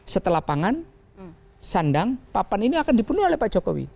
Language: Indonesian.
setelah pangan sandang papan ini akan dipenuhi oleh pak jokowi